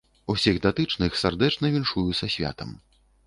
Усіх датычных сардэчна віншую са святам.